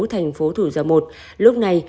thành phố thủ dầu một lúc này